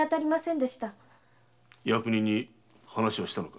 役人に話はしたのか？